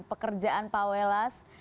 pekerjaan pak welas